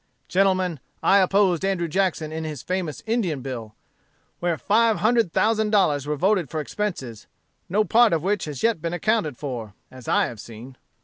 "Gentlemen, I opposed Andrew Jackson in his famous Indian bill, where five hundred thousand dollars were voted for expenses, no part of which has yet been accounted for, as I have seen.